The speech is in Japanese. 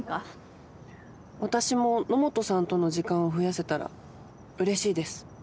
私も野本さんとの時間を増やせたらうれしいです。